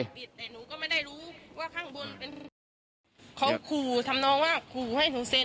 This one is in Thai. ปิดแต่หนูก็ไม่ได้รู้ว่าข้างบนเป็นรถเขาขู่ทำนองว่าขู่ให้หนูเซ็น